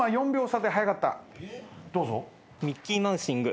どうぞ。